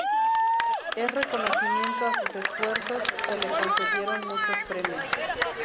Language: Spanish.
En reconocimiento a sus esfuerzos, se le concedieron muchos premios.